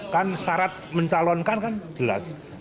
kan syarat mencalonkan kan jelas